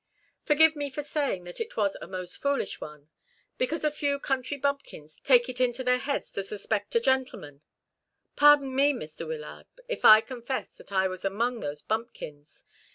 "Forgive me for saying that it was a most foolish one. Because a few country bumpkins take it into their heads to suspect a gentleman " "Pardon me, Mr. Wyllard, if I confess that I was among those bumpkins.